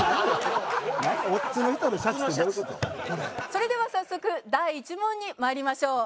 それでは早速第１問に参りましょう。